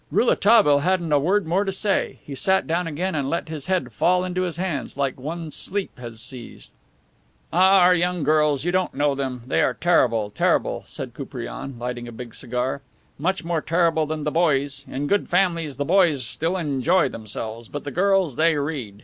Rouletabille hadn't a word more to say. He sat down again and let his head fall into his hands, like one sleep has seized. "Ah, our young girls; you don't know them. They are terrible, terrible!" said Koupriane, lighting a big cigar. "Much more terrible than the boys. In good families the boys still enjoy themselves; but the girls they read!